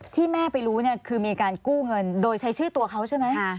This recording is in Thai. ที่แม่ไปรู้เนี่ยคือมีการกู้เงินโดยใช้ชื่อตัวเขาใช่ไหม